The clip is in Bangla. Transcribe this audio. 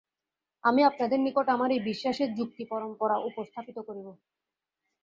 আমি আপনাদের নিকট আমার এই বিশ্বাসের যুক্তিপরম্পরা উপস্থাপিত করিব।